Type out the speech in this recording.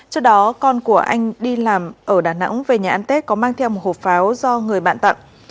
trước đó con của anh đi làm ở đà nẵng về nhà ăn tết có mang theo một hộp pháo do người bạn tặng